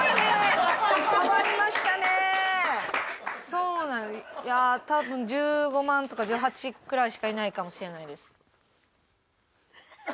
そうだな多分１５万とか１８くらいしかいないかもしれないです。